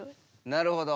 なるほど。